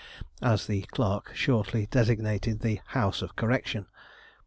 as the clerk shortly designated the House of Correction.